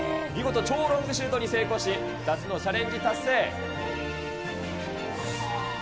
見事超ロングシュートに成功し、２つのチャレンジ達成。